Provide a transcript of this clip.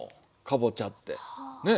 かぼちゃってね。